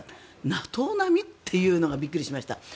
ＮＡＴＯ並みというのがびっくりしました。